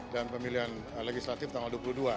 dan pemilihan legislatif tanggal dua puluh dua